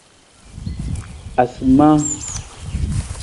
Asimaa.